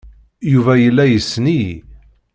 Yuba yella yessen-iyi.